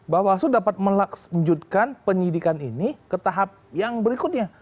bapak suluh dapat melaksanjutkan penyidikan ini ke tahap yang berikutnya